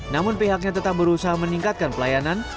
namun pihaknya tetap berusaha meningkatkan pelayanan